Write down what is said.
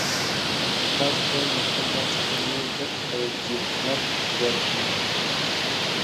تاسو باید له خپل ځان څخه نورو ته ارجحیت ورکړئ.